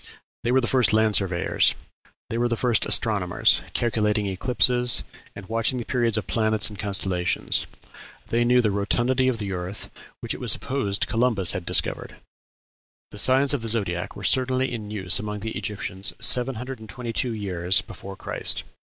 They were the first land surveyors. They were the first astronomers, calculating eclipses, and watching the periods of planets and constellations. They knew the rotundity of the earth, which it was supposed Columbus had discovered! "The signs of the zodiac were certainly in use among the Egyptians 1722 years before Christ.